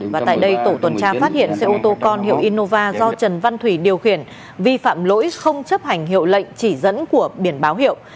và tại đây tổ tuần tra phát hiện xe ô tô con hiệu innova do trần văn thủy điều khiển vi phạm lỗi không chấp hành hiệu lệnh chỉ dẫn của biển báo hiệu